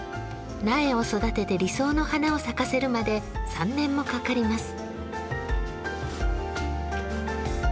苗を育てて理想の花を咲かせるまで３年もかかります。